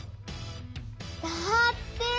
だって！